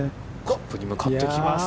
カップに向かっていきます。